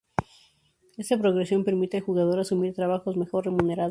Esta progresión permite al jugador asumir trabajos mejor remunerados.